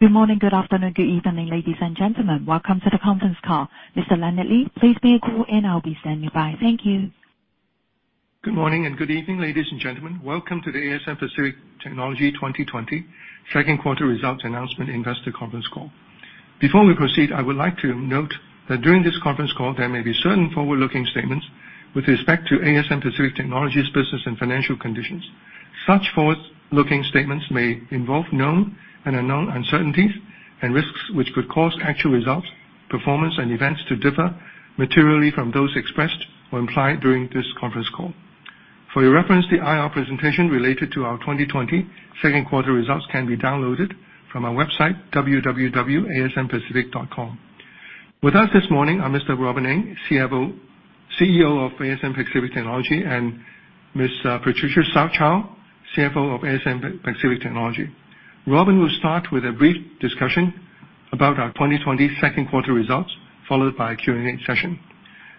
Good morning, good afternoon, good evening, ladies and gentlemen. Welcome to the conference call. Mr. Leonard Lee, please begin the call and I'll be standing by. Thank you. Good morning and good evening, ladies and gentlemen. Welcome to the ASM Pacific Technology 2020 second quarter results announcement investor conference call. Before we proceed, I would like to note that during this conference call, there may be certain forward-looking statements with respect to ASM Pacific Technology's business and financial conditions. Such forward-looking statements may involve known and unknown uncertainties and risks which could cause actual results, performance, and events to differ materially from those expressed or implied during this conference call. For your reference, the IR presentation related to our 2020 second-quarter results can be downloaded from our website, www.asmpacific.com. With us this morning are Mr. Robin Ng, CEO of ASM Pacific Technology, and Miss Patricia Chou Pei-Fen, CFO of ASM Pacific Technology. Robin will start with a brief discussion about our 2020 second-quarter results, followed by a Q&A session.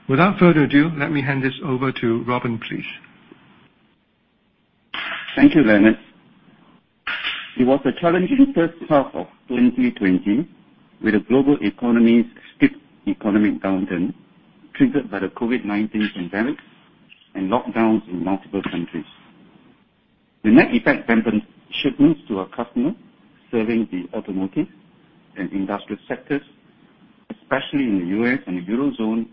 Without further ado, let me hand this over to Robin, please. Thank you, Leonard. It was a challenging first half of 2020, with the global economy's steep economic downturn triggered by the COVID-19 pandemic and lockdowns in multiple countries. The net effect dampened shipments to our customers serving the automotive and industrial sectors, especially in the U.S. and the Eurozone,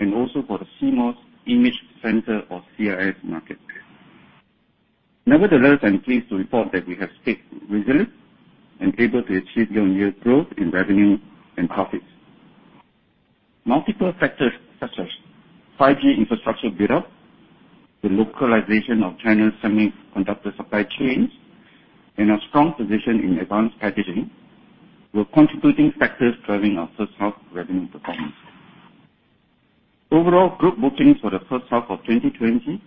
and also for the CMOS image sensor or CIS market. Nevertheless, I'm pleased to report that we have stayed resilient and able to achieve year-on-year growth in revenue and profits. Multiple factors such as 5G infrastructure build-up, the localization of China's semiconductor supply chains, and a strong position in advanced packaging were contributing factors driving our first half revenue performance. Overall, group bookings for the first half of 2020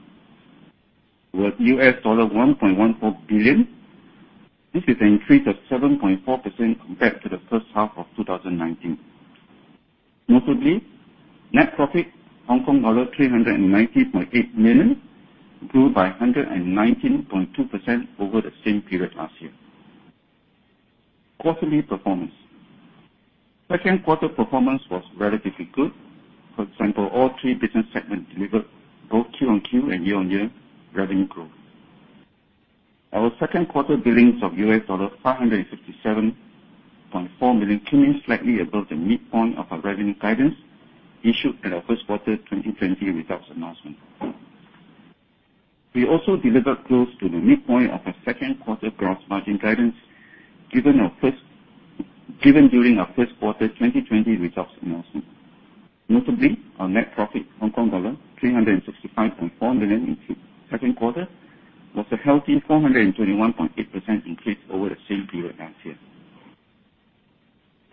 were $1.14 billion. This is an increase of 7.4% compared to the first half of 2019. Notably, net profit Hong Kong dollar 390.8 million grew by 119.2% over the same period last year. Quarterly performance. Second-quarter performance was relatively good. For example, all three business segments delivered both Q-on-Q and year-on-year revenue growth. Our second quarter billings of $557.4 million came in slightly above the midpoint of our revenue guidance issued at our first quarter 2020 results announcement. We also delivered close to the midpoint of our second quarter gross margin guidance given during our first quarter 2020 results announcement. Notably, our net profit Hong Kong dollar 365.4 million in Q2, was a healthy 421.8% increase over the same period last year.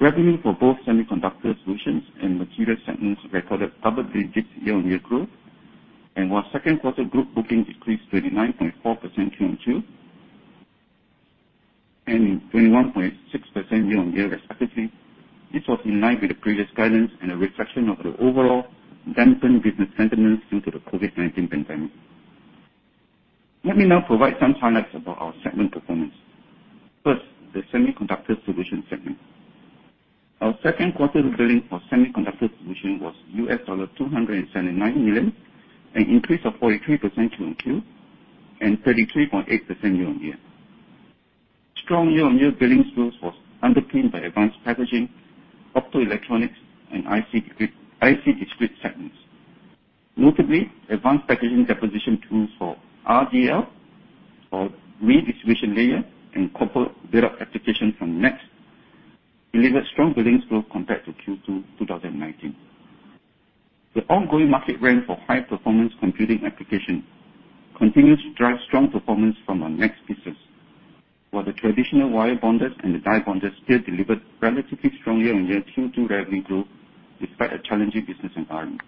Revenue for both Semiconductor Solutions and Materials segments recorded double-digit year-on-year growth and while second quarter group bookings decreased 29.4% QoQ and 21.6% year-on-year respectively. This was in line with the previous guidance and a reflection of the overall dampened business sentiments due to the COVID-19 pandemic. Let me now provide some highlights about our segment performance. First, the semiconductor solution segment. Our second quarter billing for semiconductor solution was $279 million, an increase of 43% QoQ and 33.8% year-on-year. Strong year-on-year billings growth was underpinned by advanced packaging, optoelectronics, and IC discrete segments. Notably, advanced packaging deposition tools for RDL or redistribution layer and copper build-up application from NEXX delivered strong billings growth compared to Q2 2019. The ongoing market trend for high-performance computing application continues to drive strong performance from our NEXX pieces. While the traditional wire bonders and the die bonders still delivered relatively strong year-on-year Q2 revenue growth despite a challenging business environment.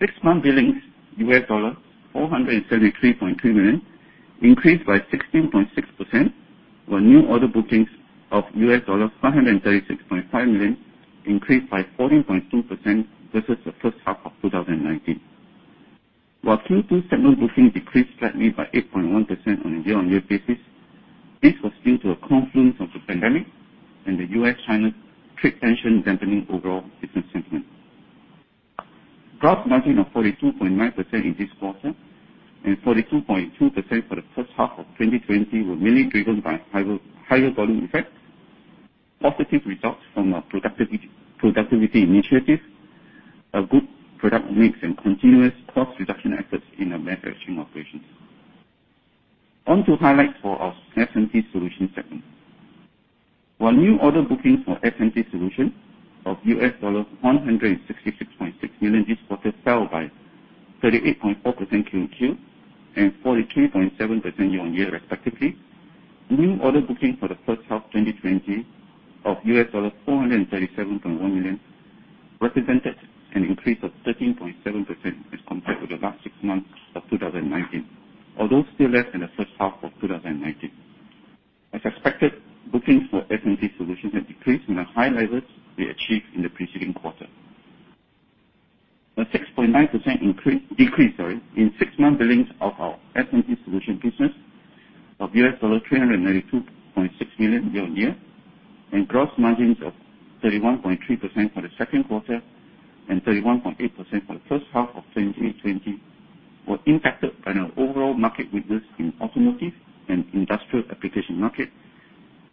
Six-month billings $473.3 million increased by 16.6% when new order bookings of $536.5 million increased by 14.2% versus the first half of 2019. While Q2 segment bookings decreased slightly by 8.1% on a year-on-year basis, this was due to a confluence of the pandemic and the U.S.-China trade tension dampening overall business sentiment. Gross margin of 42.9% in this quarter and 42.2% for the first half of 2020 were mainly driven by higher volume effect, positive results from our productivity initiative, a good product mix, and continuous cost reduction efforts in our manufacturing operations. On to highlights for our SMT Solutions segment. While new order bookings for SMT Solutions of $166.6 million this quarter fell by 38.4% Q2 and 43.7% year-on-year respectively. New order bookings for the first half 2020 of $437.1 million represented an increase of 13.7% as compared to the last six months of 2019 although still less than the first half of 2019. As expected, bookings for SMT Solutions had decreased from the high levels we achieved in the preceding quarter. The 6.9% decrease in six-month billings of our SMT Solutions business of $392.6 million year-on-year and gross margins of 31.3% for the second quarter and 31.8% for the first half of 2020 were impacted by an overall market weakness in automotive and industrial application market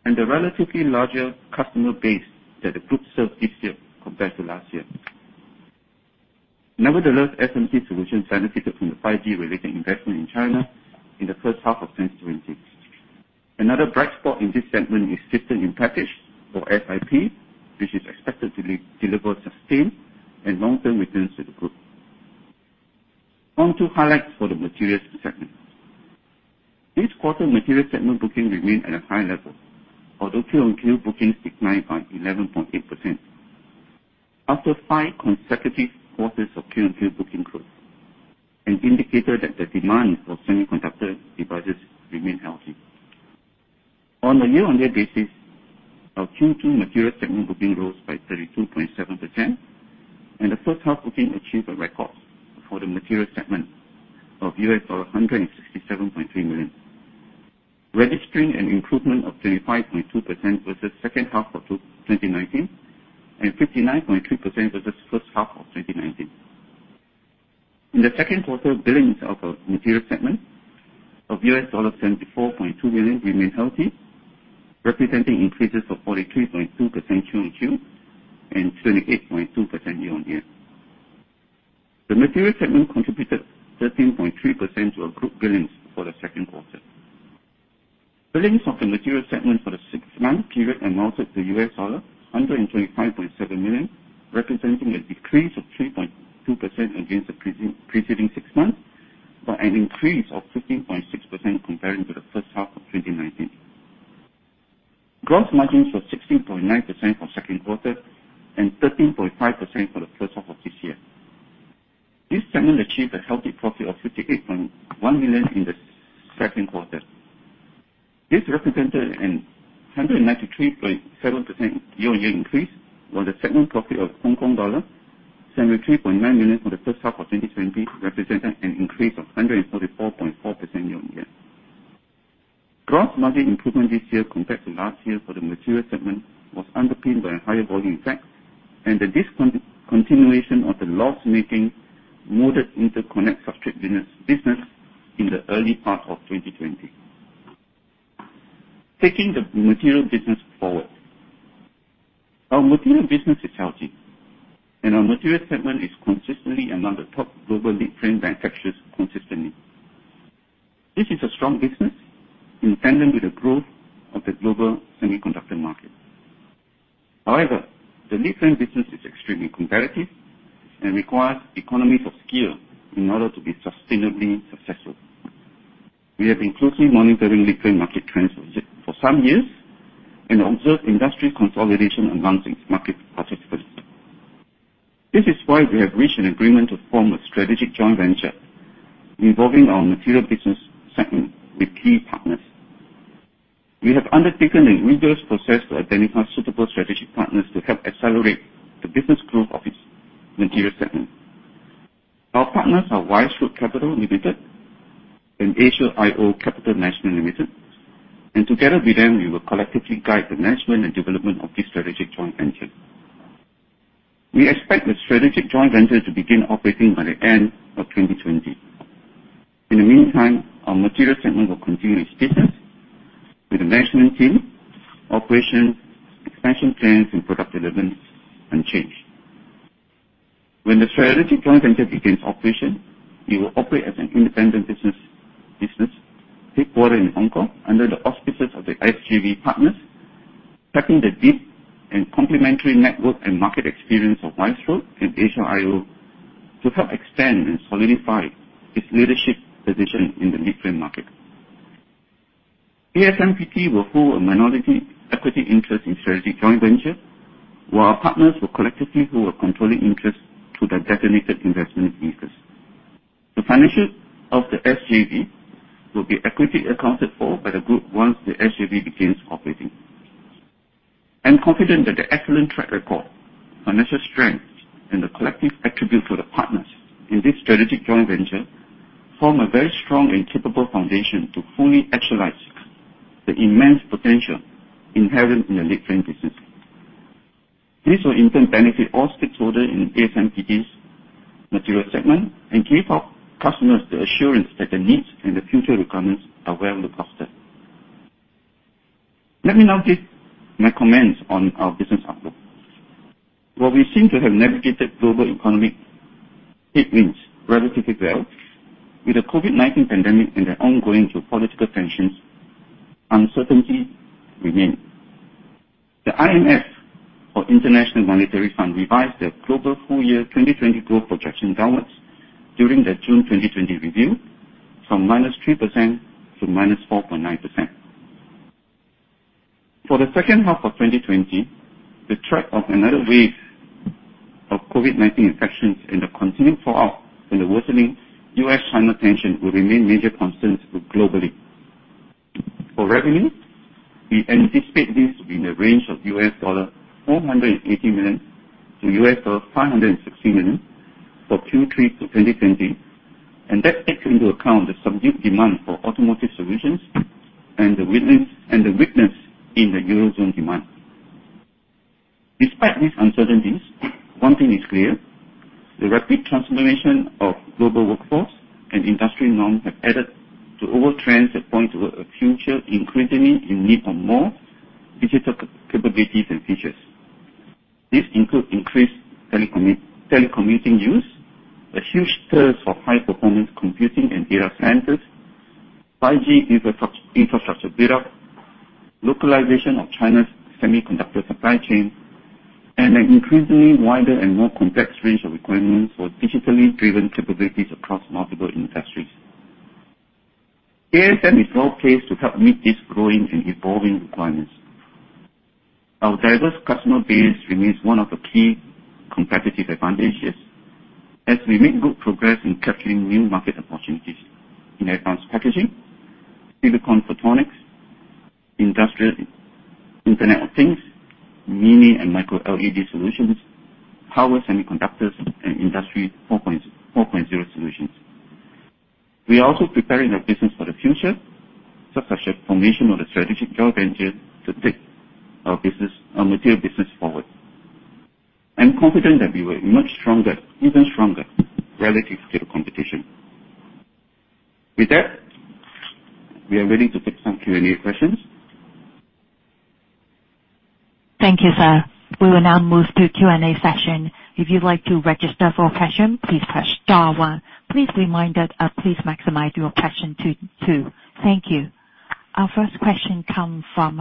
and the relatively larger customer base that the group served this year compared to last year. Nevertheless, SMT Solutions benefited from the 5G-related investment in China in the first half of 2020. Another bright spot in this segment is System-in-Package or SiP, which is expected to deliver sustained and long-term returns to the group. On to highlights for the Materials segment. This quarter, Materials segment booking remained at a high level, although QoQ bookings declined by 11.8%. After five consecutive quarters of QoQ booking growth, an indicator that the demand for semiconductor devices remain healthy. On a year-over-year basis, our Q2 Materials segment booking rose by 32.7% and the first half booking achieved a record for the Materials segment of $167.3 million, registering an improvement of 25.2% versus second half of 2019 and 59.3% versus first half of 2019. In the second quarter, billings of our Materials segment of $74.2 million remained healthy, representing increases of 43.2% QoQ and 28.2% year-over-year. The Materials segment contributed 13.3% to our group billings for the second quarter. Billings of the Materials segment for the six-month period amounted to $125.7 million, representing a decrease of 3.2% against the preceding six months, but an increase of 15.6% comparing to the first half of 2019. Gross margins was 16.9% for second quarter and 13.5% for the first half of this year. This segment achieved a healthy profit of 58.1 million in the second quarter. This represented a 193.7% year-on-year increase, while the segment profit of Hong Kong dollar 73.9 million for the first half of 2020 represented an increase of 144.4% year-on-year. Gross margin improvement this year compared to last year for the Materials segment was underpinned by a higher volume effect and the discontinuation of the loss-making molded interconnect substrate business in the early part of 2020. Taking the material business forward. Our material business is healthy, and our Materials segment is consistently among the top global leadframe manufacturers. This is a strong business in tandem with the growth of the global semiconductor market. However, the leadframe business is extremely competitive and requires economies of scale in order to be sustainably successful. We have been closely monitoring leadframe market trends for some years and observe industry consolidation amongst its market participants. This is why we have reached an agreement to form a strategic joint venture involving our material business segment with key partners. We have undertaken a rigorous process to identify suitable strategic partners to help accelerate the business growth of its Materials segment. Our partners are Wise Road Capital Ltd and Asia-IO Capital Management Limited, and together with them, we will collectively guide the management and development of this strategic joint venture. We expect the strategic joint venture to begin operating by the end of 2020. In the meantime, our Materials segment will continue its business with the management team, operation, expansion plans, and product developments unchanged. When the strategic joint venture begins operation, we will operate as an independent business headquartered in Hong Kong under the auspices of the SJV partners, tapping the deep and complementary network and market experience of Wise Road and Asia-IO to help expand and solidify its leadership position in the leadframe market. ASMPT will hold a minority equity interest in strategic joint venture, while our partners will collectively hold a controlling interest through their designated investment vehicles. The financials of the SJV will be equity accounted for by the group once the SJV begins operating. I'm confident that the excellent track record, financial strength, and the collective attributes of the partners in this strategic joint venture form a very strong and capable foundation to fully actualize the immense potential inherent in the leadframe business. This will in turn benefit all stakeholders in ASMPT's Materials segment and give our customers the assurance that their needs and their future requirements are well looked after. Let me now give my comments on our business outlook. While we seem to have navigated global economic headwinds relatively well, with the COVID-19 pandemic and the ongoing geopolitical tensions, uncertainty remains. The IMF or International Monetary Fund revised their global full-year 2020 growth projection downwards during their June 2020 review from -3% to -4.9%. For the second half of 2020, the threat of another wave of COVID-19 infections and the continuing fallout from the worsening U.S.-China tension will remain major concerns globally. For revenue, we anticipate this to be in the range of $480 million-$560 million for Q3 to 2020. That takes into account the subdued demand for automotive solutions and the weakness in the Eurozone demand. Despite these uncertainties, one thing is clear, the rapid transformation of global workforce and industry norms have added to overall trends that point toward a future increasingly in need of more digital capabilities and features. This include increased telecommuting use, a huge thirst for high-performance computing and data centers, 5G infrastructure build-up, localization of China's semiconductor supply chain, and an increasingly wider and more complex range of requirements for digitally driven capabilities across multiple industries ASM is well-placed to help meet these growing and evolving requirements. Our diverse customer base remains one of the key competitive advantages as we make good progress in capturing new market opportunities in advanced packaging, silicon photonics, Industrial Internet of Things, Mini-LED and micro-LED solutions, power semiconductors, and Industry 4.0 solutions. We are also preparing our business for the future, such as the formation of a strategic joint venture to take our material business forward. I'm confident that we were even stronger, relative to the competition. With that, we are ready to take some Q&A questions. Thank you, sir. We will now move to Q&A session. If you'd like to register for a question, please press star one. Please remind that, maximize your question to two. Thank you. Our first question comes from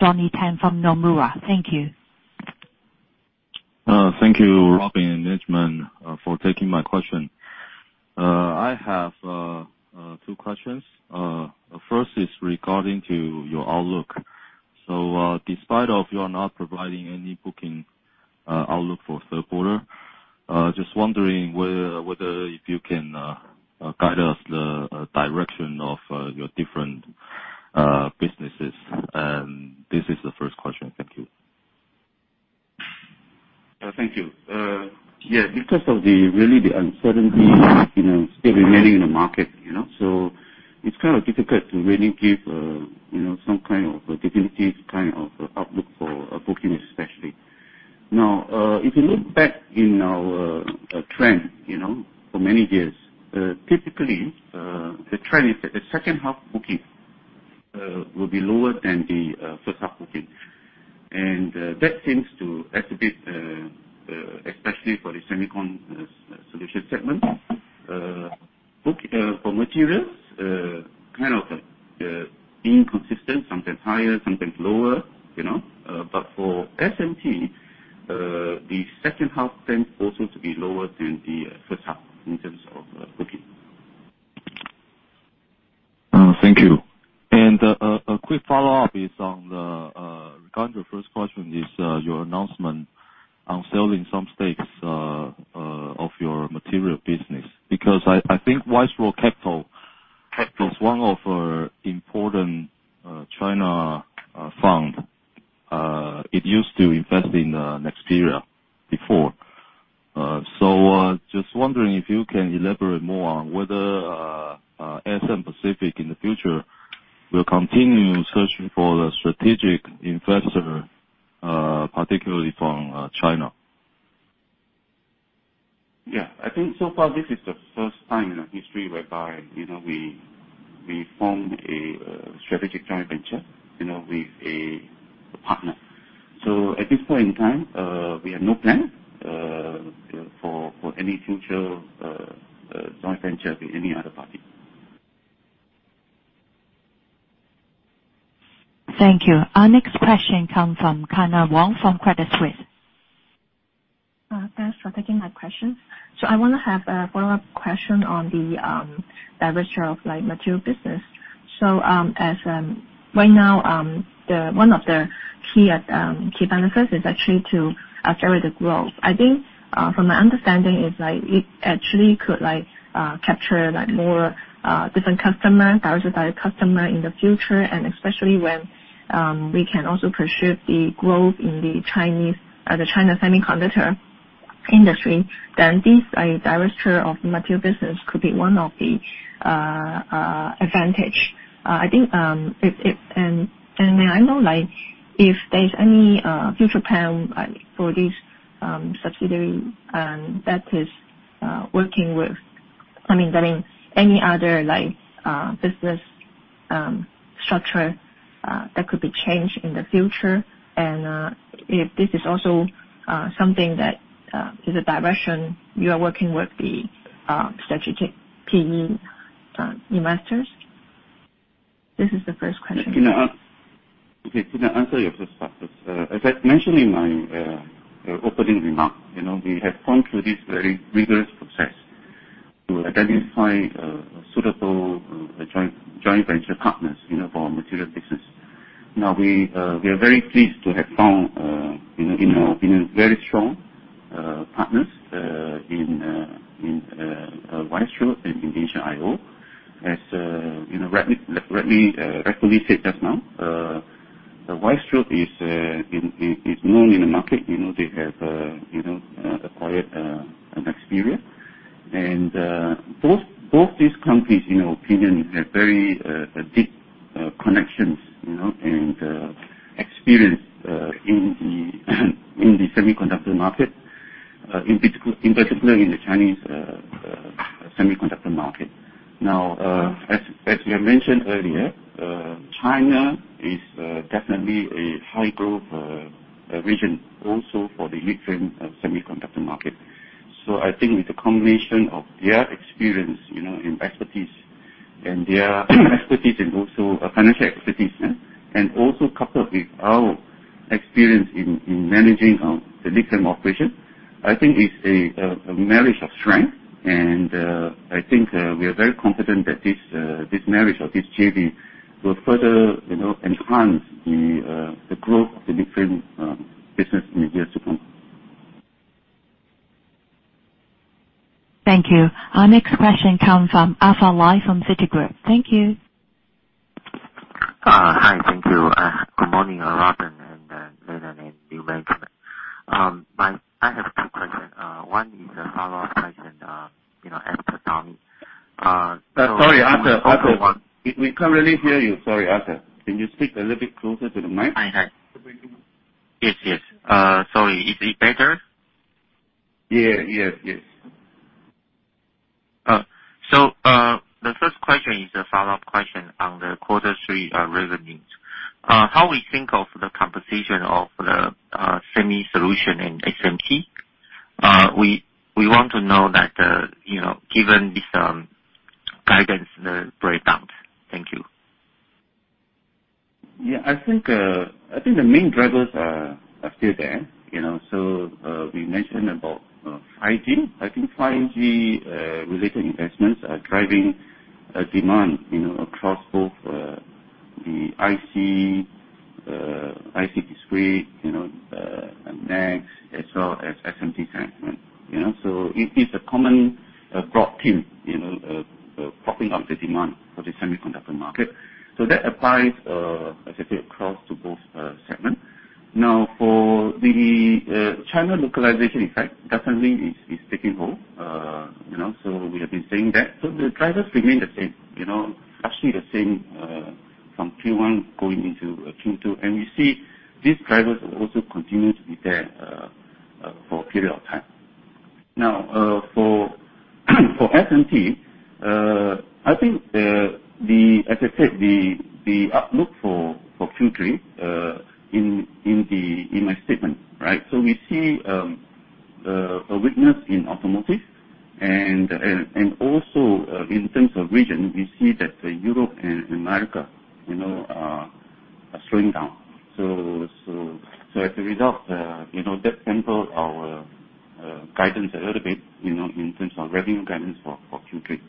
Donnie Teng from Nomura. Thank you. Thank you, Robin and [Leonard], for taking my question. I have two questions. First is regarding to your outlook. Despite of you are not providing any booking outlook for third quarter, just wondering whether if you can guide us the direction of your different businesses. This is the first question. Thank you. Thank you. Yeah, because of the, really, the uncertainty still remaining in the market. It's kind of difficult to really give some kind of definitive kind of outlook for booking, especially. Now, if you look back in our trend for many years, typically, the trend is that the second half booking will be lower than the first half booking. That seems to activate, especially for the Semicon Solutions segment. For materials, kind of inconsistent, sometimes higher, sometimes lower. For SMT, the second half tends also to be lower than the first half in terms of booking. Thank you. A quick follow-up regarding your first question is your announcement on selling some stakes of your material business. I think Wise Road Capital is one of important China fund. It used to invest in Nexperia before. Just wondering if you can elaborate more on whether ASMPT in the future will continue searching for a strategic investor, particularly from China. Yeah. I think so far this is the first time in our history whereby we form a strategic joint venture with a partner. At this point in time, we have no plan for any future joint venture with any other party. Thank you. Our next question comes from Kyna Wong from Credit Suisse. Thanks for taking my question. I want to have a follow-up question on the divestiture of materials business. As of right now, one of the key benefits is actually to accelerate the growth. I think from my understanding is it actually could capture more different customers, diversified customer in the future, and especially when we can also pursue the growth in the China semiconductor industry, then this divestiture of materials business could be one of the advantage. May I know if there's any future plan for this subsidiary that is working with, I mean, getting any other business structure that could be changed in the future? If this is also something that is a direction you are working with the strategic PE investors? This is the first question. Okay. To answer your first question. As I've mentioned in my opening remarks, we have gone through this very rigorous process to identify a suitable joint venture partners for our material business. We are very pleased to have found a very strong partners in Wise Road and in Asia-IO. As Lee said just now, Wise Road is known in the market. They have acquired an experience. Both these companies, in our opinion, have very deep connections and experience in the semiconductor market, in particular in the Chinese semiconductor market. As we have mentioned earlier, China is definitely a high-growth region also for the leadframe semiconductor market. I think with the combination of their experience, and expertise, and also financial expertise, and also coupled with our experience in managing the leadframe operation, I think it's a marriage of strength. I think we are very confident that this marriage or this JV will further enhance the growth of the different business in the years to come. Thank you. Our next question comes from Arthur Lai from Citigroup. Thank you. Hi. Thank you. Good morning, Robin, and Leonard, and new management. I have two questions. One is a follow-up question, as to Donnie. Sorry, Arthur. We can't really hear you. Sorry, Arthur. Can you speak a little bit closer to the mic? Yes. Sorry, is it better? Yes. The first question is a follow-up question on the quarter three revenues. How we think of the composition of the semi solution in SMT? We want to know that, given this guidance, the breakdown. Thank you. Yeah, I think the main drivers are still there. We mentioned about 5G. I think 5G-related investments are driving demand across both the ICD, and NEXX, as well as SMT segment. It's a common broad theme, propping up the demand for the semiconductor market. That applies, as I said, across to both segments. Now, for the China localization effect, definitely it's taking hold. We have been saying that. The drivers remain the same. Actually, the same from Q1 going into Q2. We see these drivers will also continue to be there for a period of time. Now, for SMT, I think, as I said, the outlook for Q3 in my statement. We see a weakness in automotive. Also, in terms of region, we see that Europe and America are slowing down. As a result, that tempers our guidance a little bit, in terms of revenue guidance for Q3.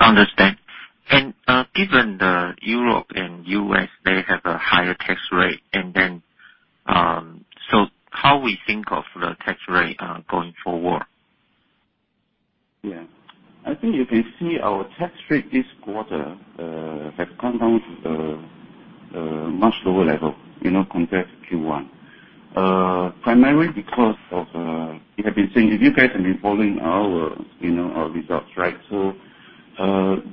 Understand. Given the Europe and U.S., they have a higher tax rate. How we think of the tax rate going forward? Yeah. I think you can see our tax rate this quarter has come down to a much lower level compared to Q1. Primarily because of, if you guys have been following our results, so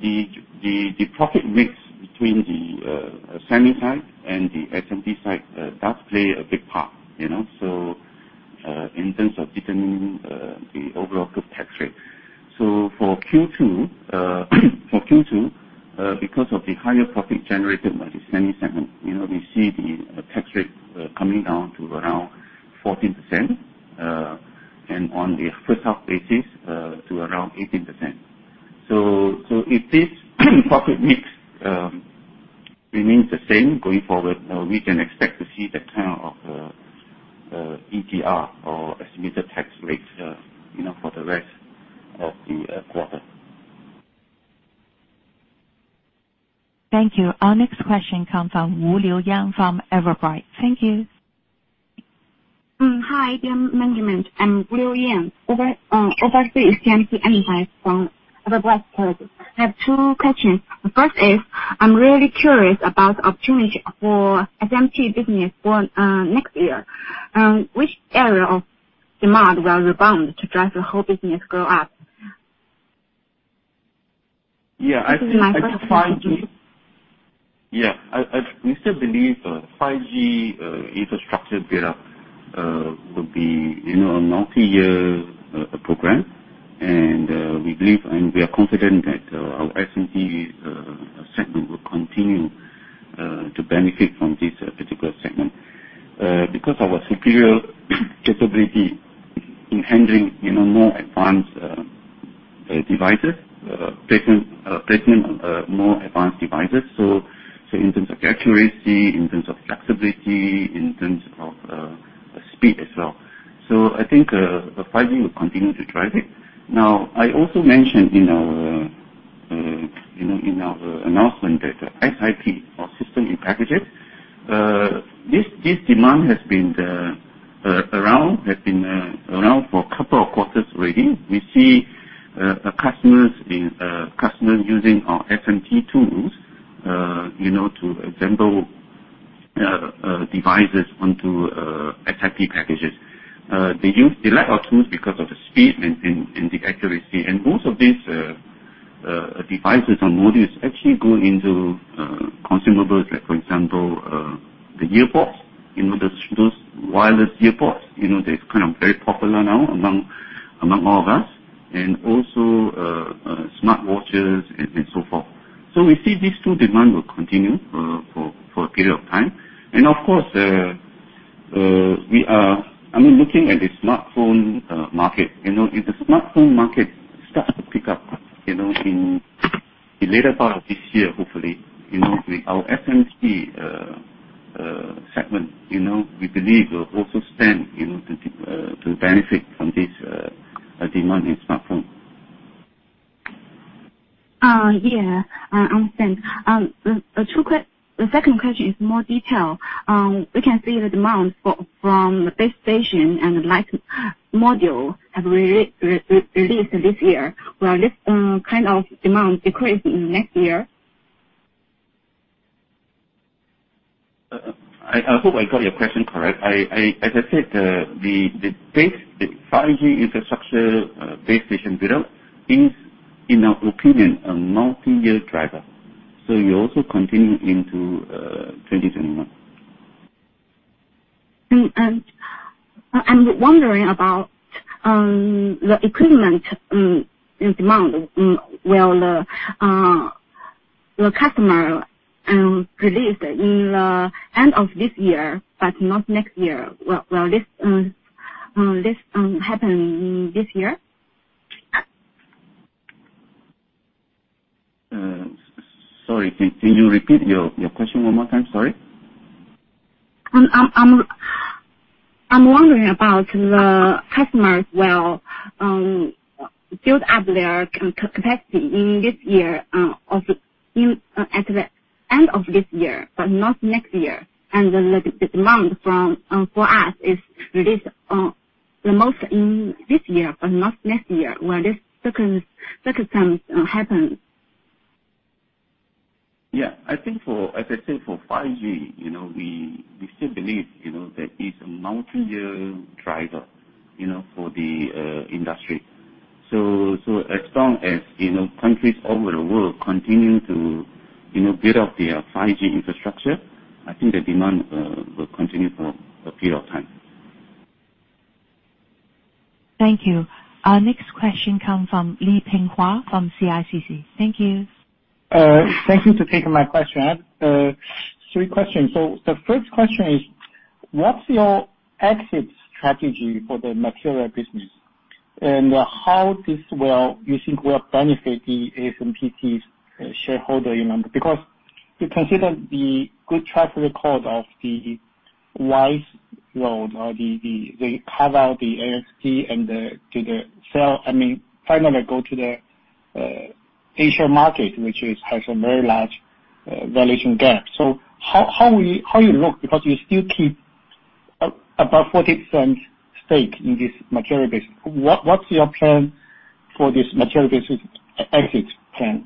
the profit mix between the semi side and the SMT side does play a big part. In terms of determining the overall group tax rate. For Q2, because of the higher profit generated by the semi segment, we see the tax rate coming down to around 14%. On the first half basis, to around 18%. If this profit mix remains the same going forward, we can expect to see that kind of ETR or estimated tax rates for the rest of the quarter. Thank you. Our next question comes from Wu Liu Yang from Everbright. Thank you. Hi, ASMPT management. I'm Wu Liu Yang, overseas FMC analyst from Everbright Securities. I have two questions. The first is, I'm really curious about the opportunity for SMT business for next year. Which area of demand will rebound to drive the whole business grow up? Yeah. This is my first question. Yeah. We still believe 5G infrastructure build-up will be a multi-year program. We are confident that our SMT segment will continue to benefit from this particular segment because our superior capability in handling more advanced devices in terms of accuracy, in terms of flexibility, in terms of speed as well. I think 5G will continue to drive it. Now, I also mentioned in our announcement that SiP or system-in-packages, this demand has been around for a couple of quarters already. We see customers using our SMT tools to assemble devices onto SiP packages. They like our tools because of the speed and the accuracy. Most of these devices or modules actually go into consumables like, for example, the wireless ear pods, they're kind of very popular now among all of us, and also smart watches and so forth. We see this tool demand will continue for a period of time. Of course, looking at the smartphone market, if the smartphone market starts to pick up, in the later part of this year, hopefully, our SMT segment, we believe, will also stand to benefit from this demand in smartphones. Yeah, I understand. The second question is more detail. We can see the demand from the base station and the light module have released this year. Will this kind of demand decrease in next year? I hope I got your question correct. As I said, the 5G infrastructure base station build-out is, in our opinion, a multi-year driver. It will also continue into 2021. I'm wondering about the equipment and demand. Will the customer release in the end of this year, but not next year? Will this happen this year? Sorry, can you repeat your question one more time? Sorry. I'm wondering about the customers will build up their capacity in this year, at the end of this year, but not next year. The demand for us is released the most in this year, but not next year. Will this circumstance happen? Yeah. As I said, for 5G, we still believe that it's a multi-year driver for the industry. As long as countries all over the world continue to build up their 5G infrastructure, I think the demand will continue for a period of time. Thank you. Our next question come from Leping Huang from CICC. Thank you. Thank you for taking my question. Three questions. The first question is, what's your exit strategy for the material business? How this, you think, will benefit the ASMPT's shareholder, because you consider the good track record of the Wise Road Capital or they cover the ASMPT and to the sell, finally go to the Asian market, which has a very large valuation gap. How you look, because you still keep above 40% stake in this material base. What's your plan for this material base exit plan?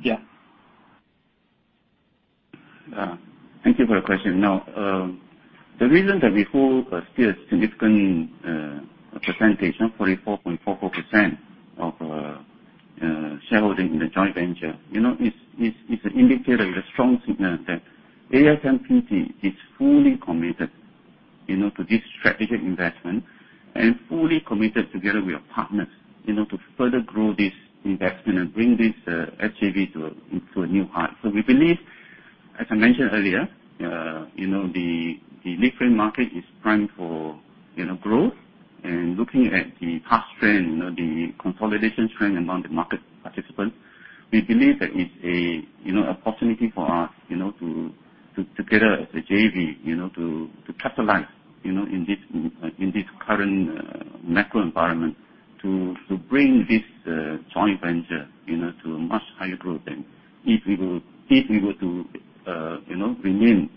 Thank you for your question. The reason that we hold still a significant percentage, 44.44% of shareholding in the joint venture, it's an indicator, it's a strong signal that ASMPT is fully committed to this strategic investment and fully committed together with our partners to further grow this investment and bring this JV to a new height. We believe, as I mentioned earlier, the leadframe market is primed for growth. Looking at the past trend, the consolidation trend among the market participants, we believe that it's an opportunity for us, together as a JV, to capitalize in this current macro environment to bring this joint venture to a much higher growth than if we were to remain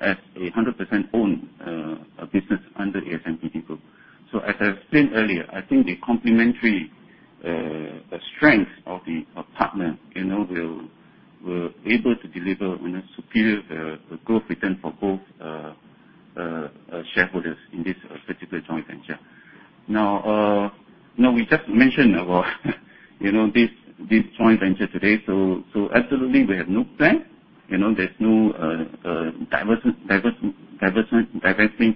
as 100% owned business under ASMPT group. As I've said earlier, I think the complementary strength of partners will able to deliver on a superior growth return for both shareholders in this particular joint venture. Now, we just mentioned about this joint venture today. Absolutely, we have no plan. There's no divesting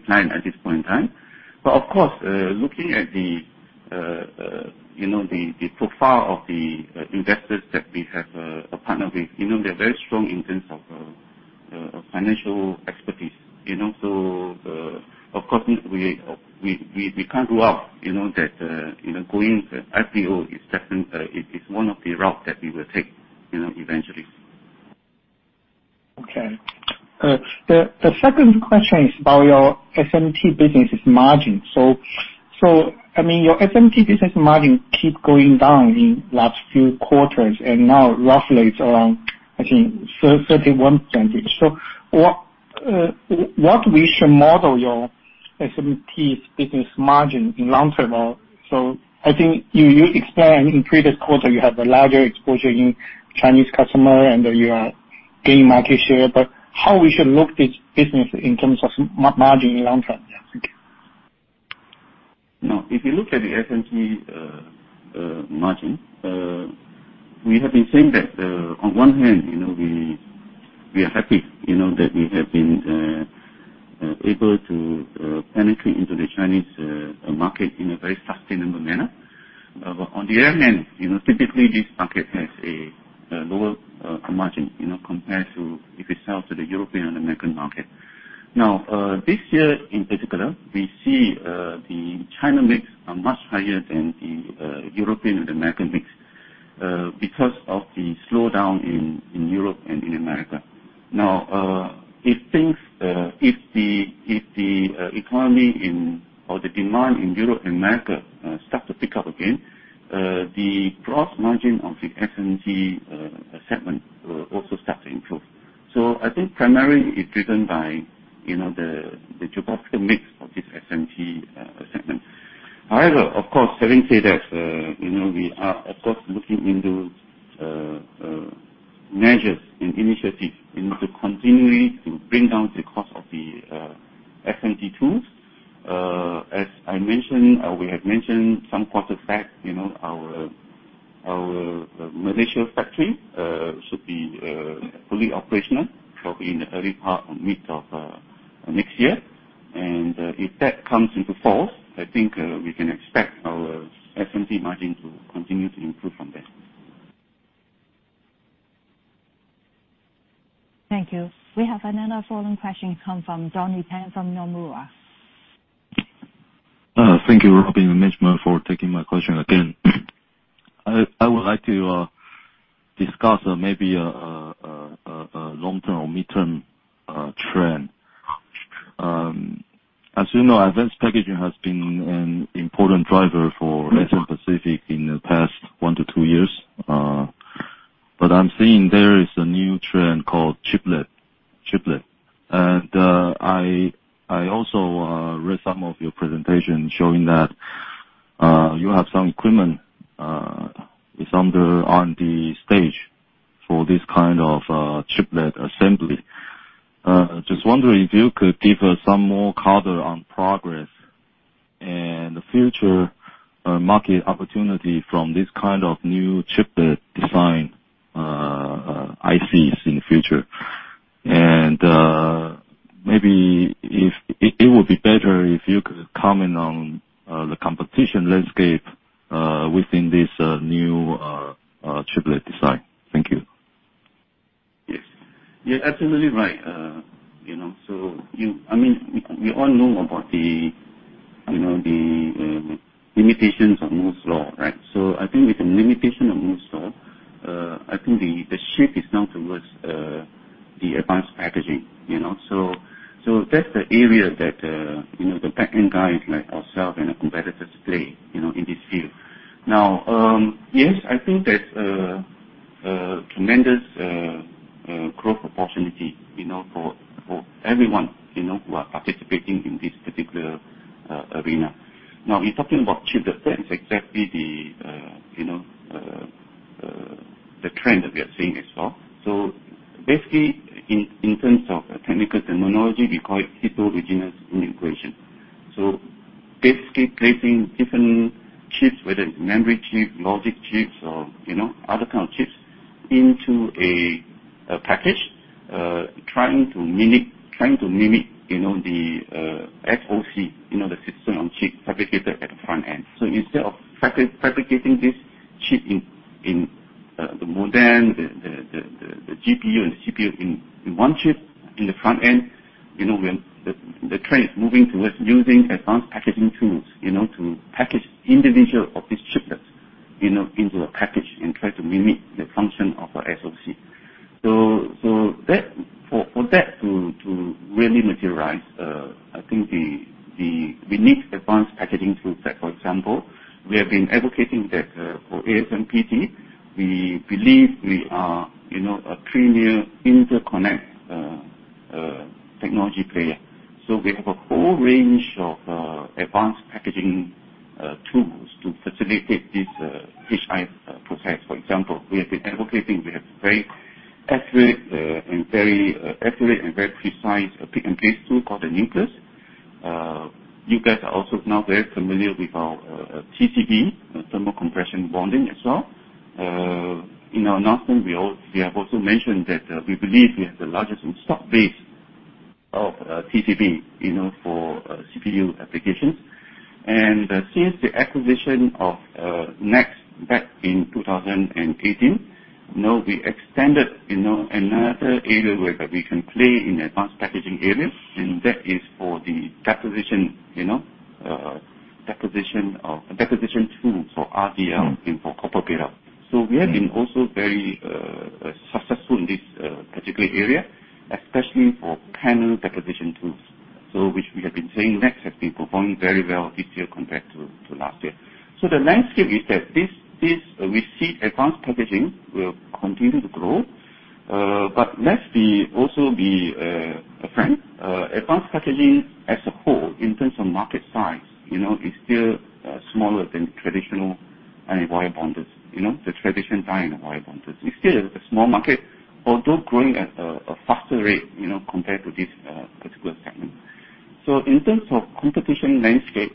plan at this point in time. Of course, looking at the profile of the investors that we have partnered with, they're very strong in terms of financial expertise. Of course, we can't rule out that going IPO is one of the routes that we will take eventually. Okay. The second question is about your SMT business's margin. Your SMT business margin keep going down in last few quarters, and now roughly it's around, I think, 31%. What we should model your SMT's business margin in long-term? I think you explained in previous quarter, you have a larger exposure in Chinese customer and you are gaining market share, but how we should look this business in terms of margin in long-term? Yeah. Thank you. If you look at the SMT margin, we have been saying that, on one hand, we are happy that we have been able to penetrate into the Chinese market in a very sustainable manner. On the other hand, typically this market has a lower margin compared to if we sell to the European and American market. This year in particular, we see the China mix are much higher than the European and American mix because of the slowdown in Europe and in America. If the economy or the demand in Europe and America start to pick up again, the gross margin of the SMT segment will also start to improve. I think primarily it's driven by the geographical mix of this SMT segment. However, of course, having said that, we are, of course, looking into measures and initiatives to continually to bring down the cost of the SMT tools. As I mentioned, or we have mentioned some quarter back, our Malaysia factory should be fully operational probably in the early part or mid of next year. If that comes into force, I think we can expect our SMT margin to continue to improve from there. Thank you. We have another following question come from Donnie Teng from Nomura. Thank you, Robin and management, for taking my question again. I would like to discuss maybe a long-term or midterm trend. As you know, advanced packaging has been an important driver for ASMPT in the past one to two years. I'm seeing there is a new trend called chiplet. I also read some of your presentation showing that you have some equipment on the stage for this kind of chiplet assembly. Just wondering if you could give us some more color on progress and the future market opportunity from this kind of new chiplet design ICs in the future. Maybe it would be better if you could comment on the competition landscape within this new chiplet design. Thank you. Yes. You're absolutely right. We all know about the limitations of Moore's law, right? I think with the limitation of Moore's law, I think the shift is now towards the advanced packaging. That's the area that the back-end guys like ourself and our competitors play in this field. Yes, I think there's a tremendous growth opportunity for everyone who are participating in this particular arena. You're talking about chiplets. That's exactly the trend that we are seeing as well. Basically, in terms of technical terminology, we call it heterogeneous integration. Basically placing different chips, whether it's memory chip, logic chips, or other kind of chips into a package, trying to mimic the SoC, the system on chip fabricated at the front end. Instead of fabricating this chip in the modem, the GPU, and the CPU in one chip in the front end, the trend is moving towards using advanced packaging tools to package individual of these chiplets into a package and try to mimic the function of a SoC. For that to really materialize, I think we need advanced packaging tool set. For example, we have been advocating that for ASMPT, we believe we are a premier interconnect technology player. We have a whole range of advanced packaging tools to facilitate this HI process. For example, we have been advocating we have very accurate and very precise pick-and-place tool called the NUCLEUS. You guys are also now very familiar with our TCB, Thermocompression bonding as well. In our announcement, we have also mentioned that we believe we have the largest install base of TCB for CPU applications. Since the acquisition of NEXX back in 2018, now we extended another area where we can play in advanced packaging area, that is for the deposition tools for RDL and for copper buildup. We have been also very successful in this particular area, especially for panel deposition tools. Which we have been saying, NEXX, has been performing very well this year compared to last year. The landscape is that we see advanced packaging will continue to grow. Let's also be frank. Advanced packaging as a whole in terms of market size, is still smaller than traditional wire bonders. The traditional die wire bonders. It's still a small market, although growing at a faster rate, compared to this particular segment. In terms of competition landscape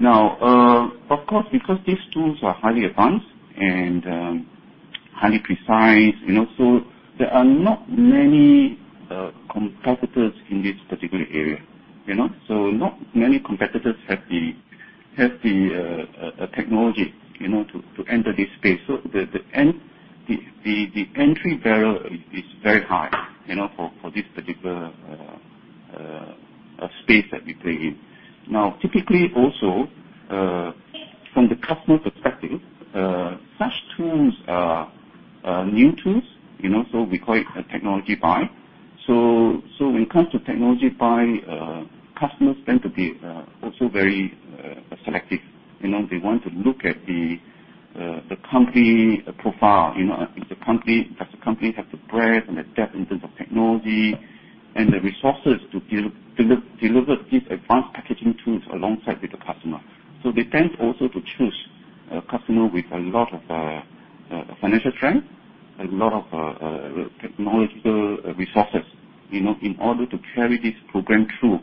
now, of course, because these tools are highly advanced and highly precise, there are not many competitors in this particular area. Not many competitors have the technology in order to enter this space. The entry barrier is very high, for this particular space that we play in. Typically also, from the customer's perspective, such tools are new tools, we call it a technology buy. When it comes to technology buy, customers tend to be also very selective. They want to look at the company profile, does the company have the breadth and the depth in terms of technology and the resources to deliver these advanced packaging tools alongside with the customer. They tend also to choose a customer with a lot of financial strength and a lot of technological resources, in order to carry this program through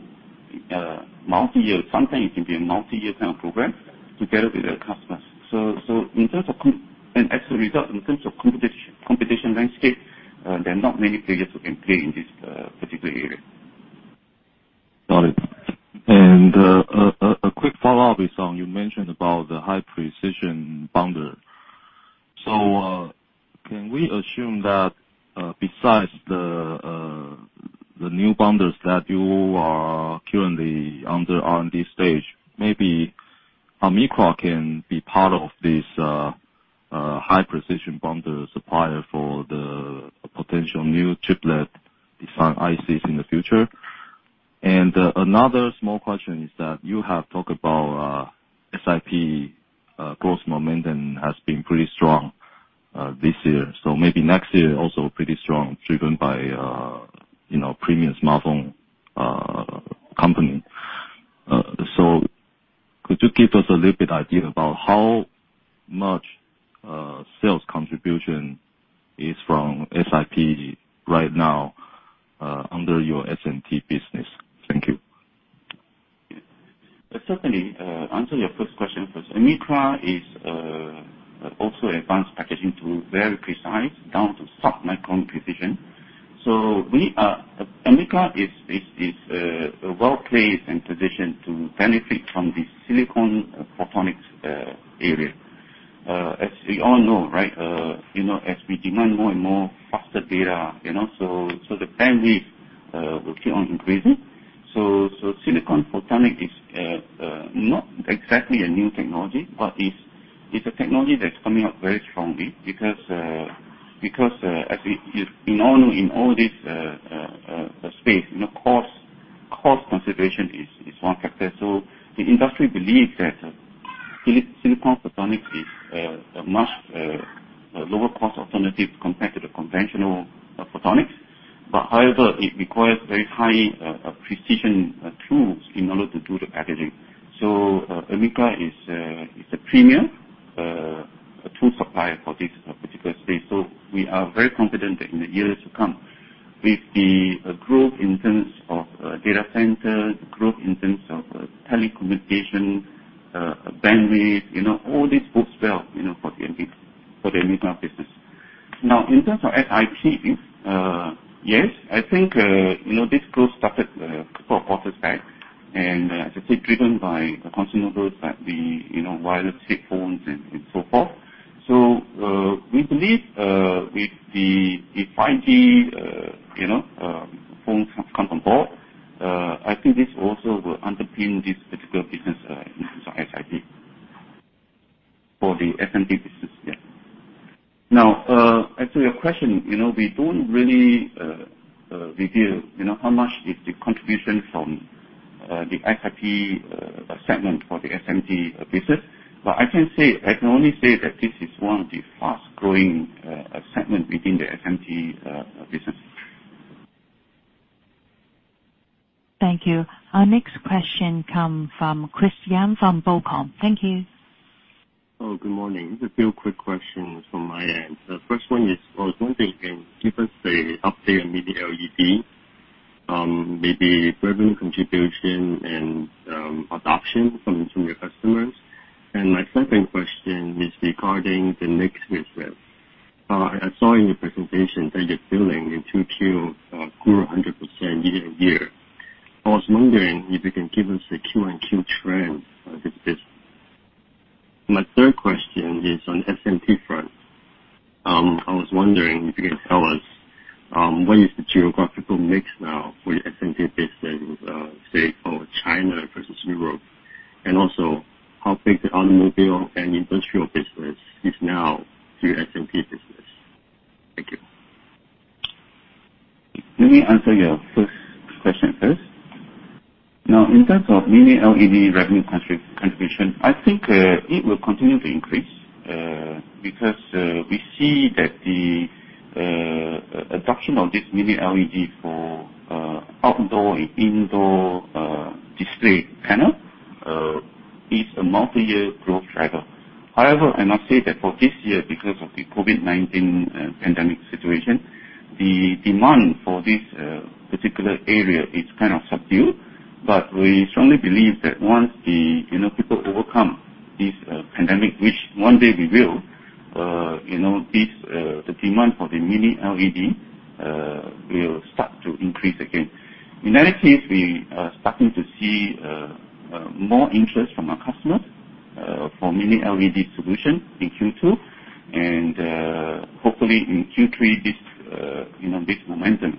multi-year. Sometimes it can be a multi-year kind of program together with their customers. As a result, in terms of competition landscape, there are not many players who can play in this particular area. Got it. A quick follow-up is on, you mentioned about the high-precision bonder. Can we assume that, besides the new bonders that you are currently under R&D stage, maybe AMICRA can be part of this high-precision bonder supplier for the potential new chiplet design ICs in the future? Another small question is that you have talked about SiP growth momentum has been pretty strong this year. Maybe next year also pretty strong driven by premium smartphone company. Could you give us a little bit idea about how much sales contribution is from SiP right now under your SMT Solutions business? Thank you. Certainly. Answer your first question first. AMICRA is also advanced packaging tool, very precise, down to submicron precision. AMICRA is a well-placed and positioned to benefit from the silicon photonics area. As we all know, as we demand more and more faster data, the bandwidth will keep on increasing. Silicon photonics is not exactly a new technology, but it's a technology that's coming up very strongly because, as we all know in all this space, cost consideration is one factor. The industry believes that silicon photonics is a much lower cost alternative compared to the conventional photonics. However, it requires very high-precision tools in order to do the packaging. AMICRA is a premier tool supplier for this particular space. We are very confident that in the years to come, with the growth in terms of data center, growth in terms of telecommunication, bandwidth, all these bodes well for the AMICRA business. In terms of SiP, yes. I think this growth started a couple of quarters back, and as I said, driven by the consumables like the wireless headphones and so forth. We believe with the 5G phones come on board, I think this also will underpin this particular business in terms of SiP. For the SMT business. Yeah. As to your question, we don't really reveal how much is the contribution from the SiP segment for the SMT business. I can only say that this is one of the fast-growing segment within the SMT business. Thank you. Our next question come from Chris Yim from BOCOM. Thank you. Oh, good morning. Just a few quick questions from my end. The first one is, I was wondering if you can give us a update on Mini-LED, maybe revenue contribution and adoption from your customers. My second question is regarding the next year's growth. I saw in your presentation that your billing in 2Q grew 100% year-on-year. I was wondering if you can give us a Q-on-Q trend of this business. My third question is on SMT front. I was wondering if you can tell us what is the geographical mix now for your SMT business, say, for China versus Europe? Also, how big the automobile and industrial business is now to your SMT business? Thank you. Let me answer your first question first. Now, in terms of Mini-LED revenue contribution, I think it will continue to increase, because we see that the adoption of this Mini-LED for outdoor, indoor display panel, is a multi-year growth driver. However, I must say that for this year, because of the COVID-19 pandemic situation, the demand for this particular area is kind of subdued. But we strongly believe that once people overcome this pandemic, which one day we will, the demand for the Mini-LED will start to increase again. In any case, we are starting to see more interest from our customers for Mini-LED solutions in Q2, and, hopefully, in Q3, this momentum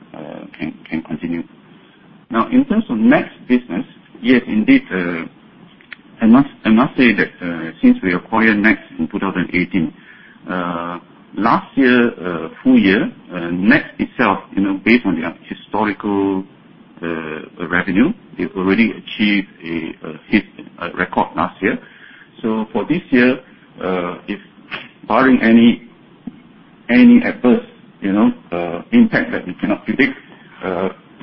can continue. Now, in terms of next business, yes, indeed. I must say that, since we acquired NEXX in 2018, last year, full year, NEXX itself, based on their historical revenue, they've already achieved a hit, a record last year. For this year, barring any adverse impact that we cannot predict,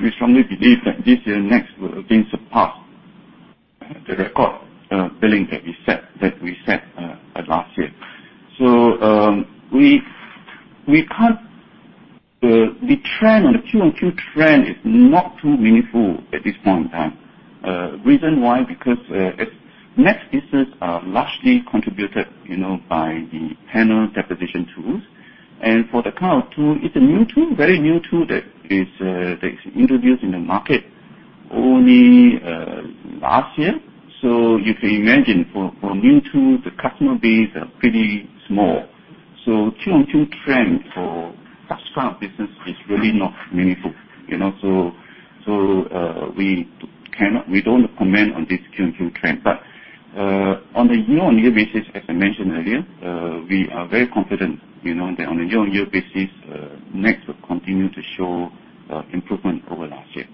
we strongly believe that this year NEXX will again surpass the record billing that we set last year. The Q-on-Q trend is not too meaningful at this point in time. Reason why, because NEXX business are largely contributed by the panel deposition tools. For the current tool, it's a new tool, very new tool that introduced in the market only last year. You can imagine for a new tool, the customer base are pretty small. Q-on-Q trend for that kind of business is really not meaningful. We don't comment on this Q-on-Q trend. On a year-on-year basis, as I mentioned earlier, we are very confident that on a year-on-year basis, NEXX will continue to show improvement over last year.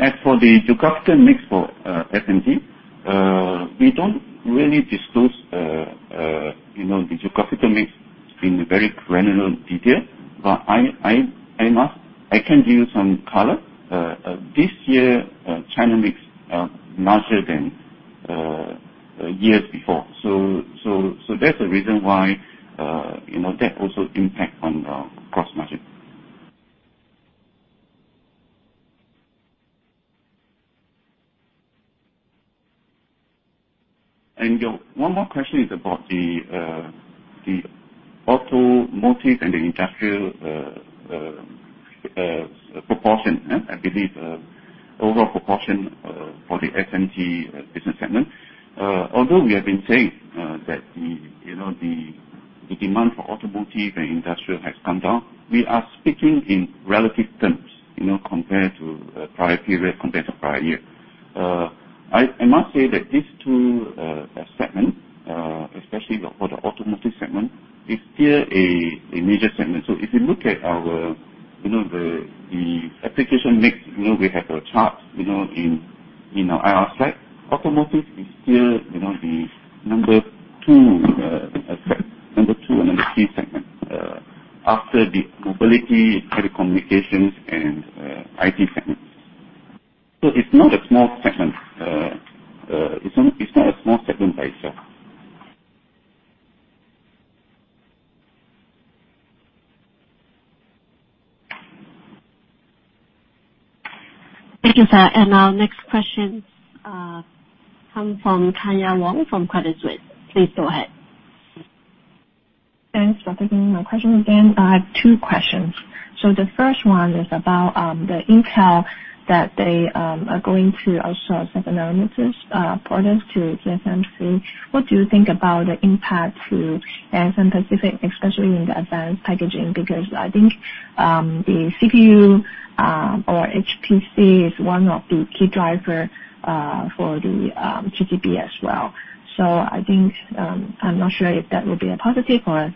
As for the geographical mix for SMT, we don't really disclose the geographical mix in very granular detail. I can give you some color. This year, China mix larger than years before. That's the reason why that also impact on the gross margin. One more question is about the automotive and the industrial proportion. I believe overall proportion for the SMT business segment. Although we have been saying that the demand for automotive and industrial has come down, we are speaking in relative terms, compared to prior period, compared to prior year. I must say that these two segments, especially for the automotive segment, is still a major segment. If you look at the application mix, we have a chart in our slide. Automotive is still the number two and number three segment, after the mobility, telecommunications, and IT segments. It's not a small segment by itself. Thank you, sir. Our next question comes from Kyna Wong from Credit Suisse. Please go ahead. Thanks for taking my question again. I have two questions. The first one is about the Intel that they are going to also have outsource orders to TSMC. What do you think about the impact to Amkor Technology, especially in the advanced packaging? I think, the CPU, or HPC is one of the key driver for the TCB as well. I'm not sure if that will be a positive or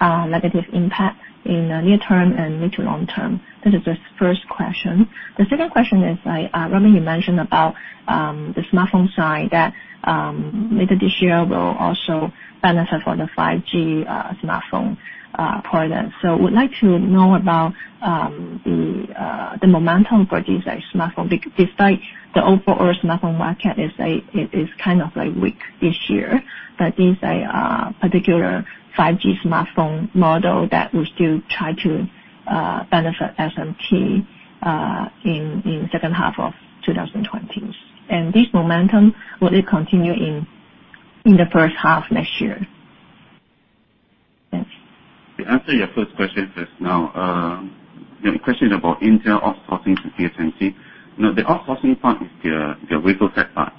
a negative impact in the near term and mid to long term. This is the first question. The second question is, earlier you mentioned about the smartphone side that later this year will also benefit from the 5G smartphone products. Would like to know about the momentum for this smartphone, because despite the overall smartphone market is kind of weak this year, but this particular 5G smartphone model that will still try to benefit SMT in second half of 2020. This momentum, will it continue in the first half next year? I'll answer your first question just now. The question about Intel outsourcing to TSMC. The outsourcing part is the wafer fab part.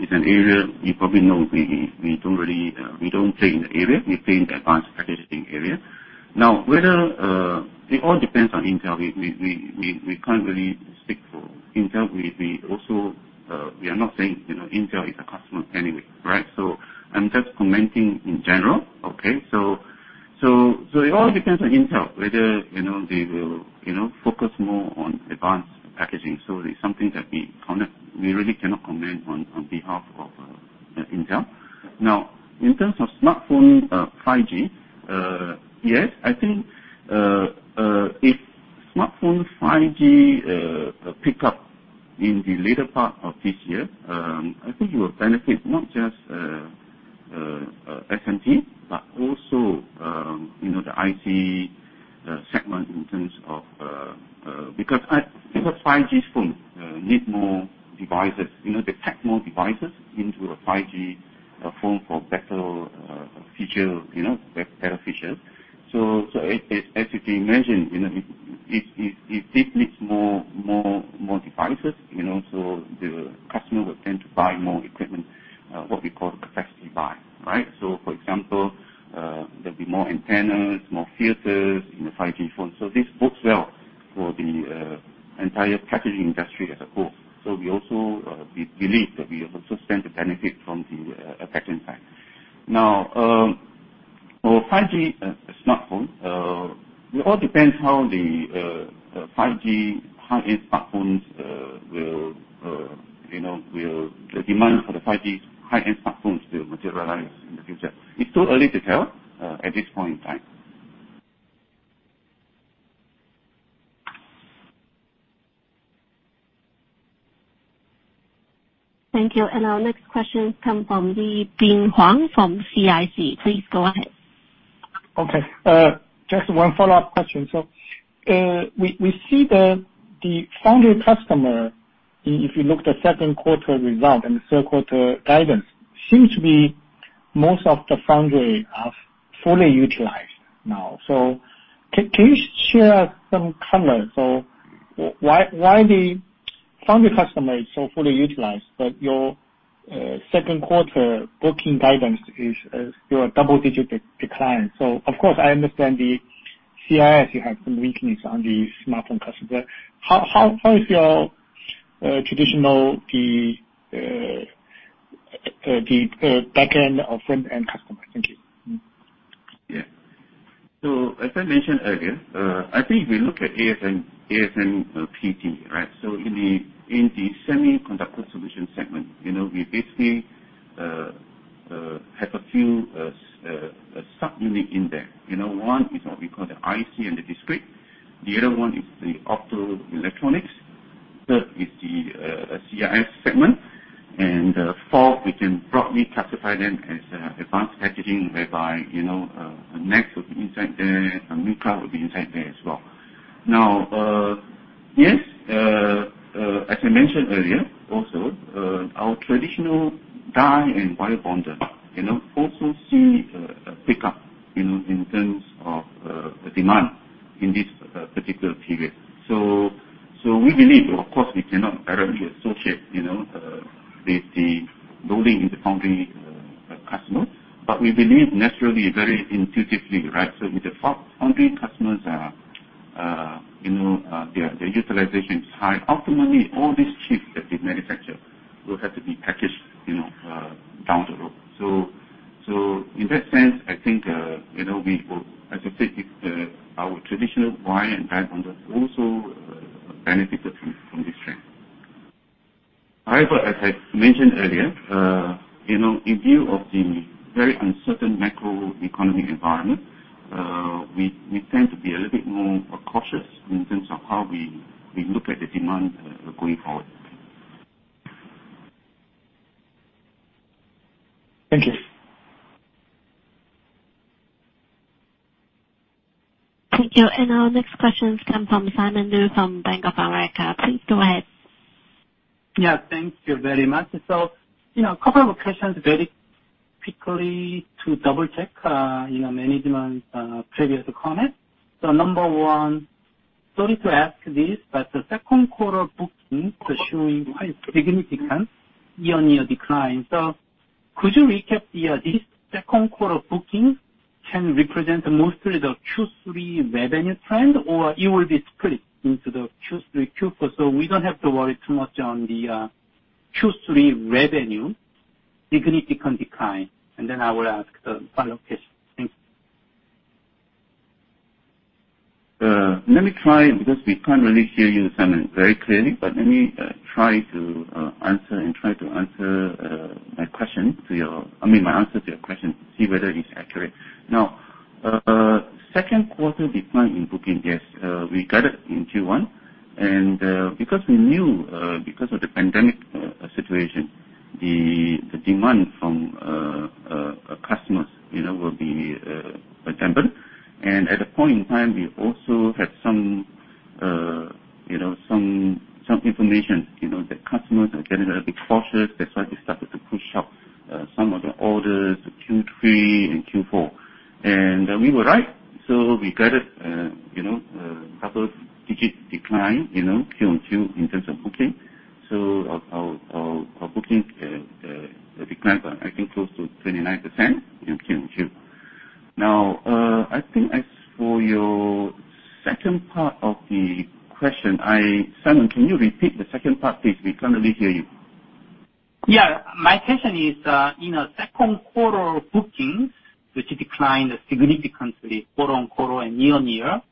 It's an area you probably know we don't play in the area, we play in the advanced packaging area. It all depends on Intel. We can't really speak for Intel. We are not saying Intel is a customer anyway. I'm just commenting in general. It all depends on Intel, whether they will focus more on advanced packaging. It's something that we really cannot comment on behalf of Intel. In terms of smartphone 5G, yes, I think if smartphone 5G pick up in the later part of this year, I think it will benefit not just SMT, but also the ICD segment because 5G phones need more devices. They pack more devices into a 5G phone for better features. As we mentioned, it did need more devices, the customer will tend to buy more equipment, what we call capacity buy, right? For example, there'll be more antennas, more filters in the 5G phone. This bodes well for the entire packaging industry as a whole. We believe that we also stand to benefit from the packaging side. Now, for 5G smartphone, it all depends how the demand for the 5G high-end smartphones will materialize in the future. It's too early to tell at this point in time. Thank you. Our next question comes from Leping Huang from CICC. Please go ahead. Okay. Just one follow-up question. We see the foundry customer, if you look the second quarter result and the third quarter guidance, seems to be most of the foundry are fully utilized now. Can you share some color? Why the foundry customer is so fully utilized, but your second quarter booking guidance is still a double-digit decline? Of course, I understand the CIS, you have some weakness on the smartphone customers. How is your traditional, the back end or front end customer? Thank you. Yeah. As I mentioned earlier, I think if we look at ASMPT, right? In the semiconductor solution segment, we basically have a few sub-unit in there. One is what we call the IC discrete. The other one is the optoelectronics. Third is the CIS segment. Fourth, we can broadly classify them as advanced packaging, whereby NEXX would be inside there, AMICRA would be inside there as well. Yes, as I mentioned earlier also, our traditional die and wire bonding also see a pickup in terms of demand in this particular period. We believe, of course, we cannot directly associate the loading with the foundry customer, but we believe naturally, very intuitively, right? If the foundry customers, their utilization is high, ultimately all these chips that they manufacture will have to be packaged down the road. In that sense, I think, as I said, our traditional wire and die bonding also benefit from this trend. However, as I mentioned earlier, in view of the very uncertain macroeconomic environment, we tend to be a little bit more cautious in terms of how we look at the demand going forward. Thank you. Thank you. Our next question comes from Simon Woo from Bank of America. Please go ahead. Yeah, thank you very much. A couple of questions very quickly to double-check management's previous comments. Number one, sorry to ask this, but the second quarter bookings are showing quite significant year-on-year decline. Could you recap, this second quarter bookings can represent mostly the Q3 revenue trend, or it will be split into the Q3, Q4, so we don't have to worry too much on the Q3 revenue significant decline? Then I will ask the follow-up question. Thanks. Let me try, because we can't really hear you, Simon, very clearly. Let me try to answer my answer to your question to see whether it's accurate. Second quarter decline in booking, yes. We guided in Q1. Because we knew because of the pandemic situation, the demand from customers will be tempered. At that point in time, we also had some information. The customers are getting a little bit cautious. That's why they started to push up some of the orders to Q3 and Q4. We were right. We got a double-digit decline, quarter-on-quarter, in terms of booking. Our booking declined by, I think, close to 29% in quarter-on-quarter. I think as for your second part of the question, Simon, can you repeat the second part, please? We can't really hear you. Yeah. My question is, in the second quarter bookings, which declined significantly quarter-on-quarter and year-on-year,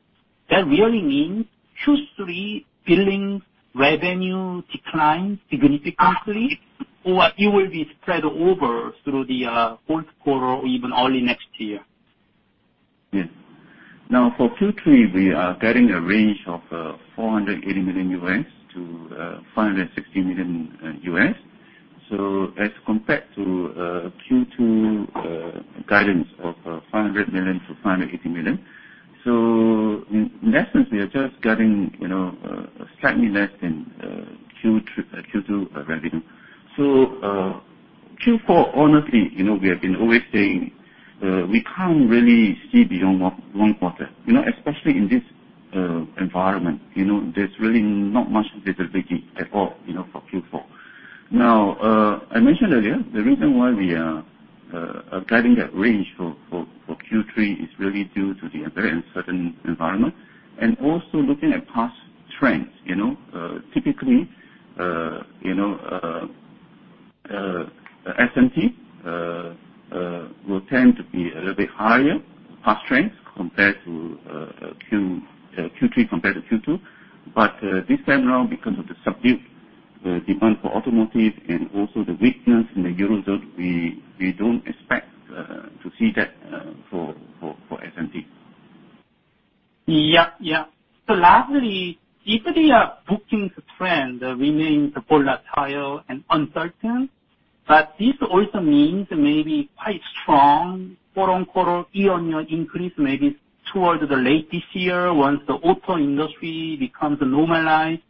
that really means Q3 billings revenue declined significantly, or it will be spread over through the fourth quarter or even early next year? For Q3, we are guiding a range of 480 million-560 million. Compared to Q2 guidance of 500 million-580 million. In essence, we are just getting slightly less than Q2 revenue. Q4, honestly, we have been always saying we cannot really see beyond one quarter. In this environment. There is really not much visibility at all for Q4. I mentioned earlier, the reason why we are guiding that range for Q3 is really due to the very uncertain environment and also looking at past trends. Typically, SMT will tend to be a little bit higher, past trends, Q3 compared to Q2. This time around, because of the subdued demand for automotive and also the weakness in the Eurozone, we do not expect to see that for SMT. Lastly, if the bookings trend remains volatile and uncertain, but this also means maybe quite strong quarter-on-quarter, year-on-year increase, maybe towards the late this year, once the auto industry becomes normalized.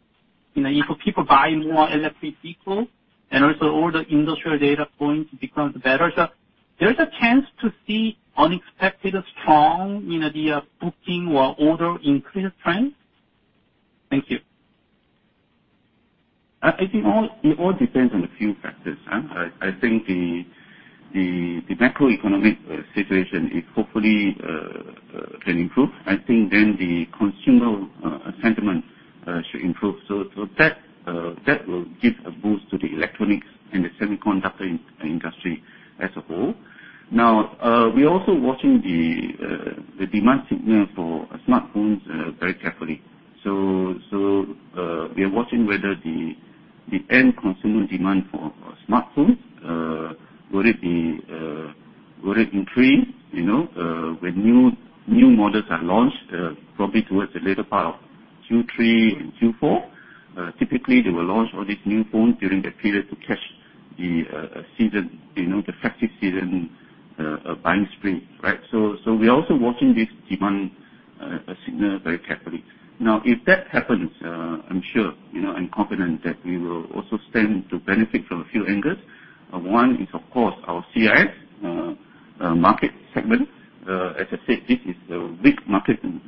If people buy more electric vehicles and also all the industrial data points becomes better. There's a chance to see unexpected strong ICD bookings or order increase trends? Thank you. I think it all depends on a few factors. I think the macroeconomic situation, hopefully, can improve. The consumer sentiment should improve. That will give a boost to the electronics and the semiconductor industry as a whole. We're also watching the demand signal for smartphones very carefully. We are watching whether the end consumer demand for smartphones will increase, when new models are launched, probably towards the latter part of Q3 and Q4. Typically, they will launch all these new phones during that period to catch the season, the festive season buying spree. We are also watching this demand signal very carefully. If that happens, I'm confident that we will also stand to benefit from a few angles. One is, of course, our CIS market segment. As I said, this is a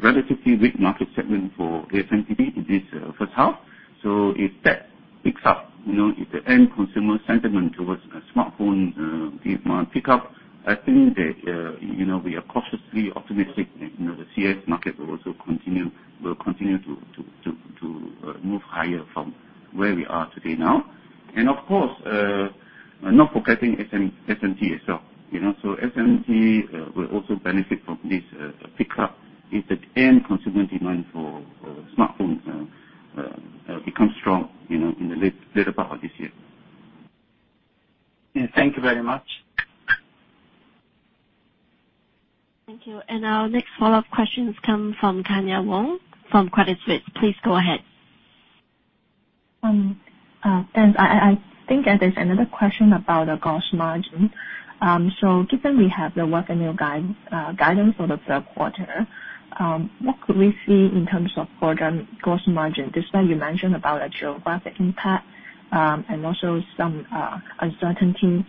relatively weak market segment for ASMPT in this first half. If that picks up, if the end consumer sentiment towards smartphone demand picks up, I think that we are cautiously optimistic. The CIS market will continue to move higher from where we are today now. Of course, not forgetting SMT itself. SMT will also benefit from this pickup if the end consumer demand for smartphones becomes strong in the latter part of this year. Yeah. Thank you very much. Thank you. Our next follow-up question comes from Kyna Wong from Credit Suisse. Please go ahead. Thanks. I think there's another question about the gross margin. Given we have the revenue guidance for the third quarter, what could we see in terms of quarter gross margin? Just now you mentioned about geographic impact and also some uncertainty.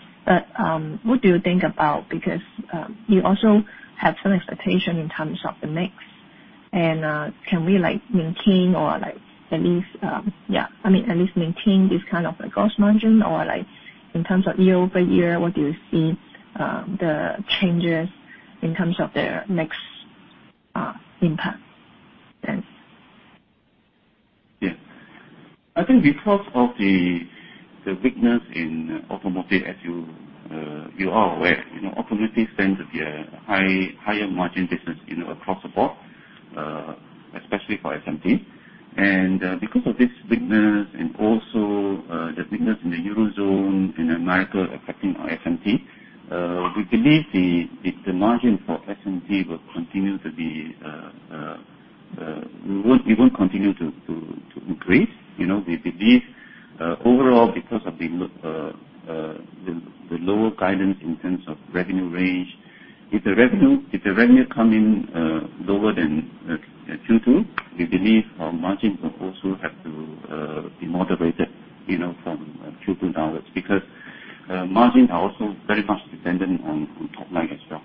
What do you think about, because you also have some expectation in terms of the mix. Can we at least maintain this kind of gross margin? In terms of year-over-year, what do you see the changes in terms of their mix impact? Thanks. Yeah. I think because of the weakness in automotive, as you are aware, automotive tends to be a higher margin business across the board, especially for SMT. Because of this weakness and also the weakness in the Eurozone and America affecting our SMT, we believe the margin for SMT won't continue to increase. We believe overall because of the lower guidance in terms of revenue range. If the revenue comes in lower than Q2, we believe our margins will also have to be moderated from Q2 downwards because margins are also very much dependent on top line as well.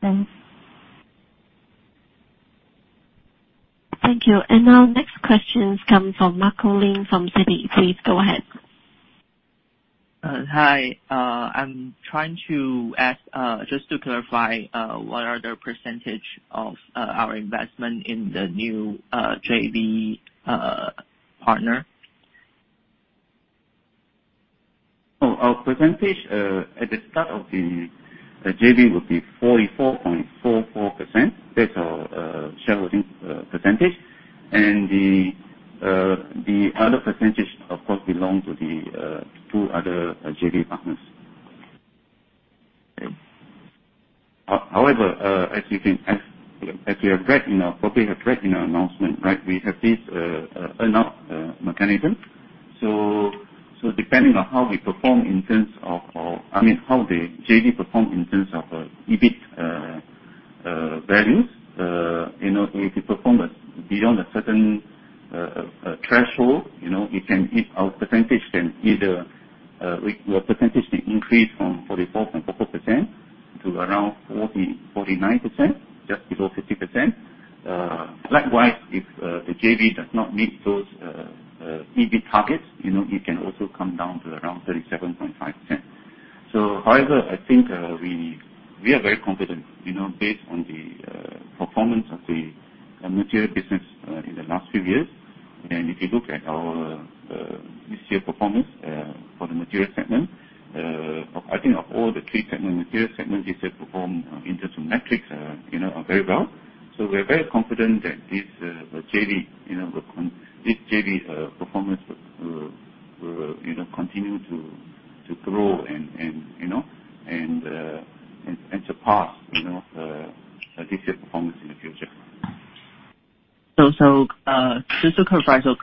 Thanks. Thank you. Our next question comes from Marco Long from Citi. Please go ahead. Hi. I'm trying to ask, just to clarify, what is the percentage of our investment in the new JV partner? Oh, our percentage, at the start of the JV, will be 44.44%. That's our shareholding percentage. The other percentage, of course, belongs to the two other JV partners. Okay. However, as probably you have read in our announcement, we have this earn-out mechanism. Depending on how the JV performs in terms of EBIT values, if it performs beyond a certain threshold, our percentage can increase from 44.44% to around 49%, just below 50%. Likewise, if the JV does not meet those EBIT targets, it can also come down to around 37.5%. However, I think we are very confident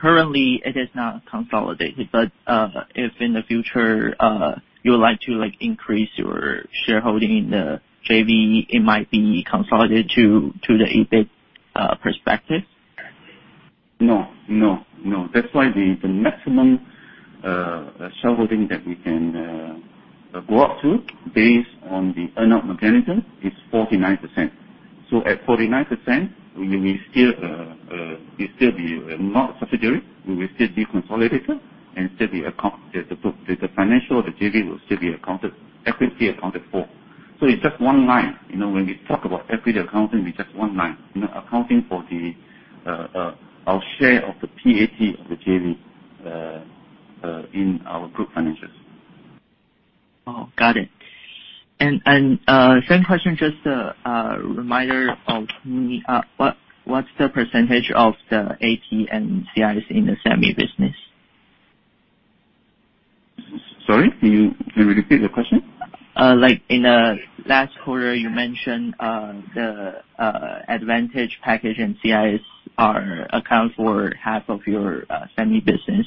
based on the performance of the material business in the last few years. If you look at our this year performance for the Materials segment, I think of all the three segments, Materials segment this year performed in terms of metrics very well. We are very confident that this JV performance will continue to grow and surpass this year performance in the future. Just to clarify, so currently it is not consolidated, but, if in the future, you would like to increase your shareholding in the JV, it might be consolidated to the EBIT perspective? No. That's why the maximum shareholding that we can go up to based on the earn-out mechanism is 49%. At 49%, we will still be not a subsidiary. We will still be consolidated and the financial of the JV will still be equity accounted for. It's just one line. When we talk about equity accounting, it's just one line. Accounting for our share of the PAT of the JV in our group financials. Oh, got it. Same question, just a reminder for me, what's the percentage of the ICD and CIS in the semi business? Sorry, can you repeat the question? In the last quarter, you mentioned the advanced packaging and CIS account for half of your semi business.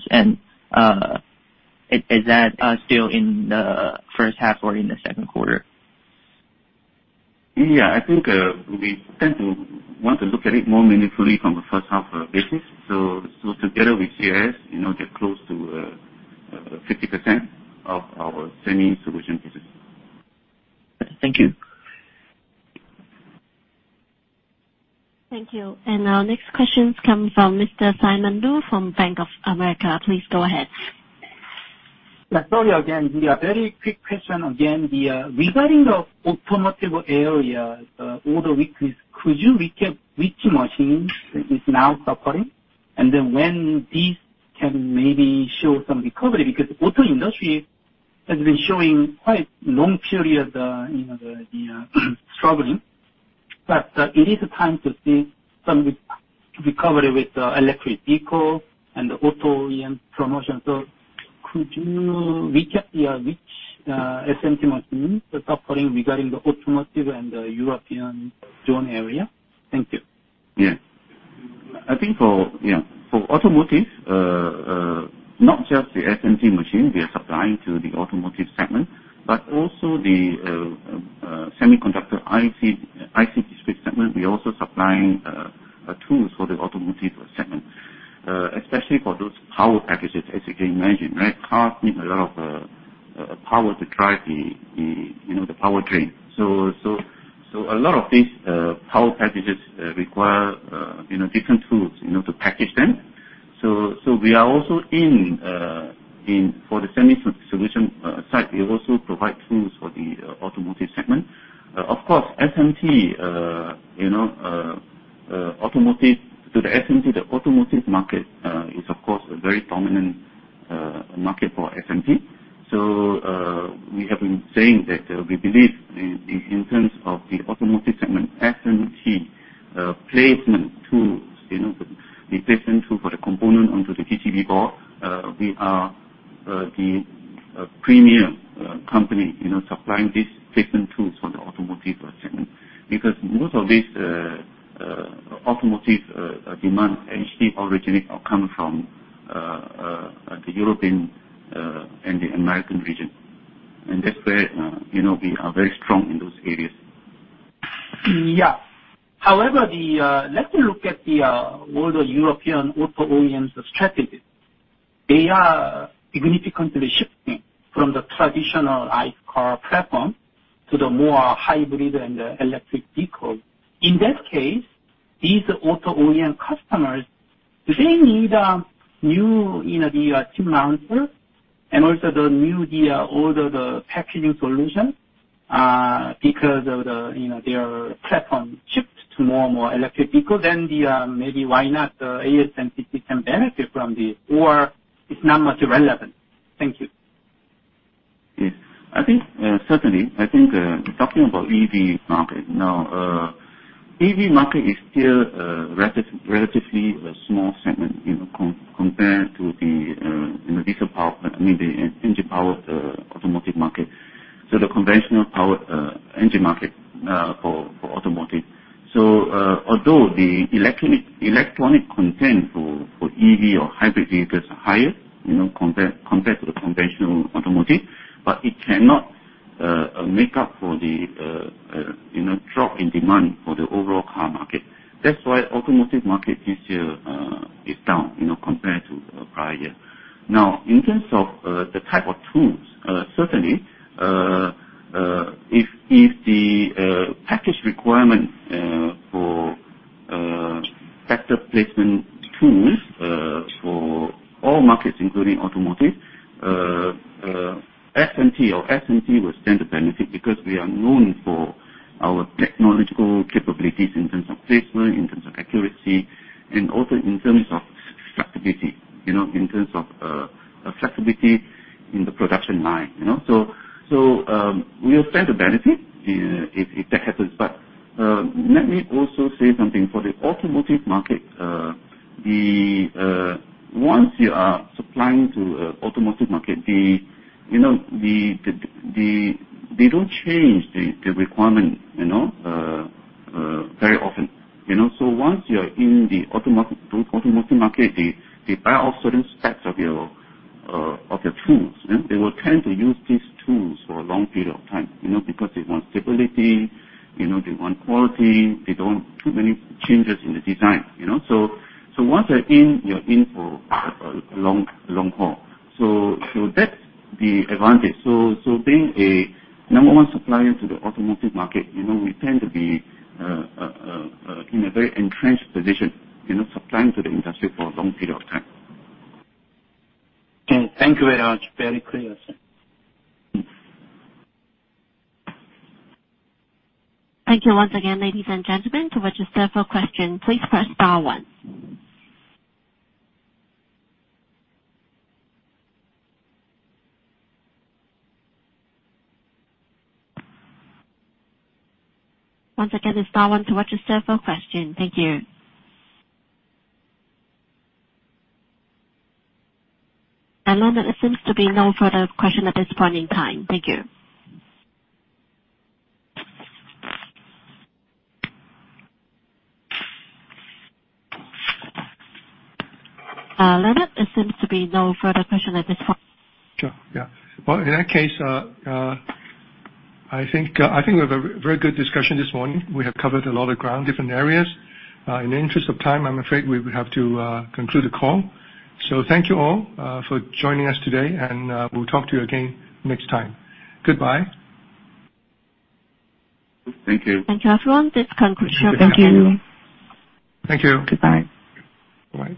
Is that still in the first half or in the second quarter? Yeah, I think we tend to want to look at it more meaningfully from a first-half basis. Together with CIS, they're close to 50% of our semi solution business. Thank you. Thank you. Our next question comes from Mr. Simon Woo from Bank of America. Please go ahead. Sorry again. A very quick question again. Regarding the automotive area, order weakness, could you recap which machine is now suffering? When this can maybe show some recovery? Auto industry has been showing quite long period, struggling, but it is time to see some recovery with the electric vehicle and the auto OEM promotion. Could you recap here which SMT machines are suffering regarding the automotive and the European zone area? Thank you. I think for automotive, not just the SMT machine we are supplying to the automotive segment, but also the semiconductor ICD segment, we're also supplying tools for the automotive segment, especially for those power packages. As you can imagine, cars need a lot of power to drive the powertrain. A lot of these power packages require different tools to package them. For the semi solution side, we also provide tools for the automotive segment. Of course, to the SMT, the automotive market is, of course, a very prominent market for SMT. We have been saying that we believe in terms of the automotive segment, SMT placement tools for the component onto the PCB board, we are the premier company supplying these placement tools for the automotive segment. Most of these automotive demands actually originate or come from the European and the American region. That's where we are very strong in those areas. Yeah. However, let me look at all the European auto OEMs strategies. They are significantly shifting from the traditional ICE car platform to the more hybrid and electric vehicles. In that case, these auto OEM customers, do they need a new chip mounter and also all the packaging solutions? Because of their platform shift to more and more electric vehicles, then maybe why not ASMPT can benefit from this, or it's not much relevant? Thank you. Yes. Certainly, I think, talking about EV market now, EV market is still a relatively small segment compared to the engine power automotive market, I mean, so the conventional power engine market for automotive. Although the electronic content for EV or hybrid vehicles are higher, compared to the conventional automotive, but it cannot make up for the drop in demand for the overall car market. That's why automotive market this year is down compared to the prior year. Now, in terms of the type of tools, certainly, if the package requirement for factor placement tools for all markets, including automotive, SMT will stand to benefit because we are known for our technological capabilities in terms of placement, in terms of accuracy, and also in terms of flexibility, in the production line. We'll stand to benefit if that happens. Let me also say something. For the automotive market, once you are supplying to automotive market, they don't change the requirement very often. Once you're in the automotive market, they buy off certain sets of your tools, and they will tend to use these tools for a long period of time because they want stability, they want quality, they don't too many changes in the design. Once you're in, you're in for a long haul. That's the advantage. Being a number one supplier to the automotive market, we tend to be in a very entrenched position, supplying to the industry for a long period of time. Okay. Thank you very much. Very clear. Thank you once again, ladies and gentlemen. To register for a question, please press star one. Once again, it's star one to register for a question. Thank you. Leonard, it seems to be no further question at this point in time. Thank you. Leonard, it seems to be no further question at this point. Sure. Yeah. Well, in that case, I think we have a very good discussion this morning. We have covered a lot of ground, different areas. In the interest of time, I'm afraid we will have to conclude the call. Thank you all for joining us today, and we'll talk to you again next time. Goodbye. Thank you. Thank you, everyone. Thank you. Thank you. Goodbye. Bye.